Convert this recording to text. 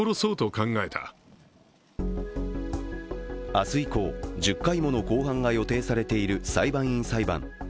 明日以降、１０回もの公判が予定されている裁判員裁判。